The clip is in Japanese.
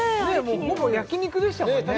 ほぼ焼き肉でしたもんね